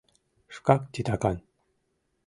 Шкак титакан.